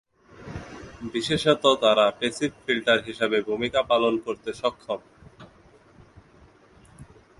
বিশেষত, তারা passive filter হিসাবে ভুমিকা পালন করতে সক্ষম।